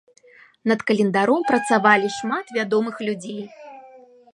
Над календаром працавалі шмат вядомых людзей.